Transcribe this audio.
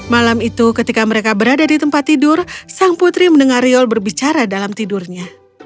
malam itu ketika mereka berada di tempat tidur sang putri mendengar riol berbicara dalam tidurnya